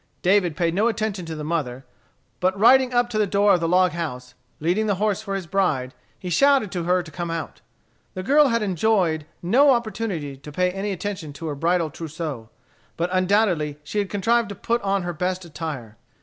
David paid no attention to the mother, but riding up to the door of the log house, leading the horse for his bride, he shouted to her to come out. The girl had enjoyed no opportunity to pay any attention to her bridal trousseau. But undoubtedly she had contrived to put on her best attire.